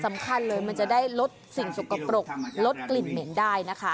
สำคัญเลยมันจะได้ลดสิ่งสกปรกลดกลิ่นเหม็นได้นะคะ